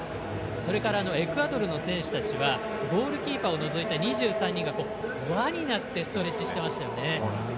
それからエクアドルの選手たちはゴールキーパーを除いた２３人が輪になってストレッチしてましたね。